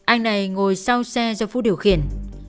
anh này ngồi sau xe do phú điều khiển